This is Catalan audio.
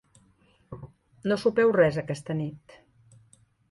No sopeu res aquesta nit.